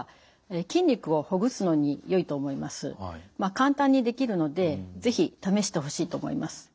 簡単にできるので是非試してほしいと思います。